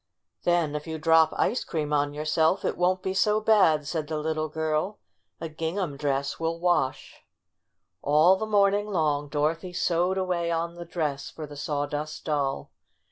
"Then if you drop ice cream on your self it won't be so bad," said the little girl. "A gingham dress will wash." IN THE RAG BAG 85 All the morning long Dorothy sewed away on the dress for the Sawdust Doll.